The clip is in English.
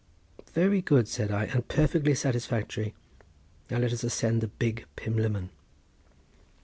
"Very good," said I, "and perfectly satisfactory. Now let us ascend the Big Pumlummon."